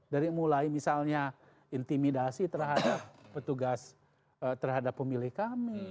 dari mulai misalnya intimidasi terhadap petugas terhadap pemilih kami